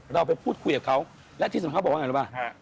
เราไปพูดคุยกับเขาและที่สำคัญบอกว่าอย่างไรเปล่า